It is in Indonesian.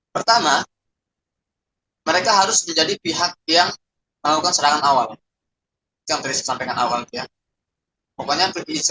pertama mereka harus menjadi pihak yang melakukan serangan awal sampai awal ya